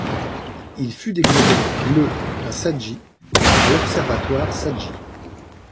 Il fut découvert le à Saji par l'observatoire Saji.